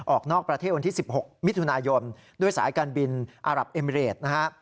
ออกนอกประเทศวันที่๑๖มิถุนายนด้วยสายการบินอารับเอมิเรดนะฮะ